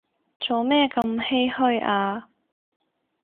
做咩咁唏噓啊